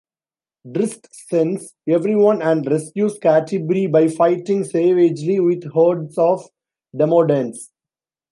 Drizzt sends everyone and rescues Catti-brie by fighting savagely with hordes of demodands.